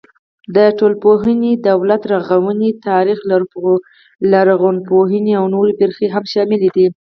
د ټولنپوهنې، دولت رغونې، تاریخ، لرغونپوهنې او نورې برخې هم شاملې دي.